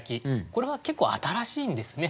これは結構新しいんですね。